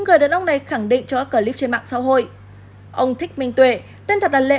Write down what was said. người đàn ông này khẳng định trong các clip trên mạng xã hội ông thích minh tuệ tên thật là lê